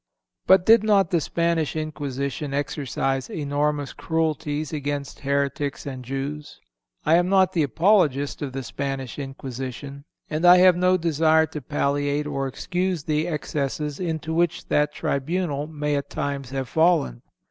But did not the Spanish Inquisition exercise enormous cruelties against heretics and Jews? I am not the apologist of the Spanish Inquisition, and I have no desire to palliate or excuse the excesses into which that tribunal may at times have fallen.